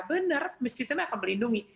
benar masjid ini akan melindungi